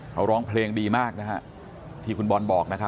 เขาร้องเพลงดีมากที่คุณบอลบอกนะครับ